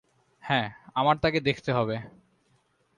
হ্যাঁ, আমার তাকে দেখতে হবে।